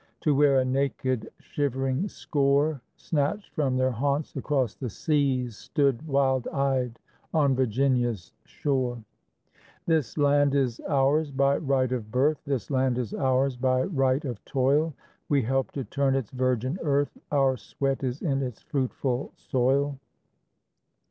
To where a naked, shivering score, Snatched from their haunts across the seas, Stood, wild eyed, on Virginia's shore. This land is ours by right of birth, This land is ours by right of toil; We helped to turn its virgin earth, Our sweat is in its fruitful soil.